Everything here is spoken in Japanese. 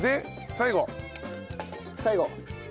最後。